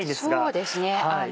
そうですね。